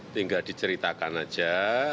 tinggal diceritakan aja